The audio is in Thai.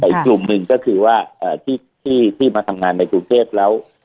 แต่อีกกลุ่มหนึ่งก็คือว่าที่มาทำงานในกรุงเทพแล้ว